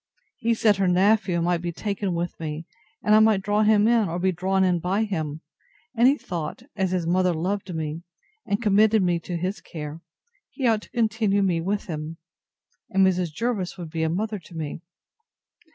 He said her nephew might be taken with me, and I might draw him in, or be drawn in by him; and he thought, as his mother loved me, and committed me to his care, he ought to continue me with him; and Mrs. Jervis would be a mother to me.